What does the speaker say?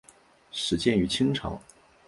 始建于清朝。